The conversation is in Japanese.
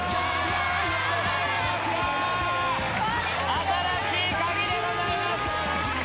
『新しいカギ』でございます。